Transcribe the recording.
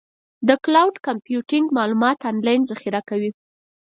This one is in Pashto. د کلاؤډ کمپیوټینګ معلومات آنلاین ذخیره کوي.